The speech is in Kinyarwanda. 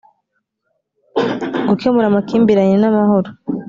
gukemura amakimbirane na amahoro